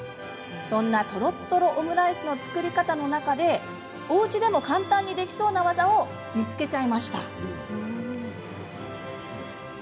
そんな、とろっとろオムライスの作り方の中でおうちでも簡単にできそうな技を見つけちゃいました。